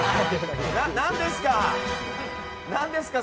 何ですか？